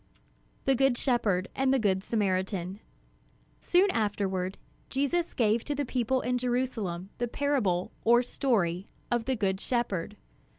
THE GOOD SHEPHERD AND THE GOOD SAMARITAN Soon afterward Jesus gave to the people in Jerusalem the parable or story of "The Good Shepherd."